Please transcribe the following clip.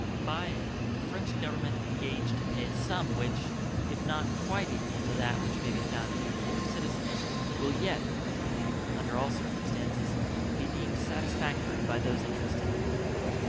By it the French Government engage to pay a sum which, if not quite equal to that which may be found due to our citizens, will yet, it is believed, under all circumstances, be deemed satisfactory by those interested.